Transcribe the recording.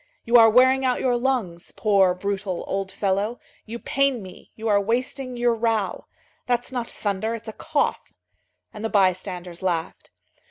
"You are wearing out your lungs, poor, brutal, old fellow, you pain me, you are wasting your row. That's not thunder, it's a cough." And the bystanders laughed.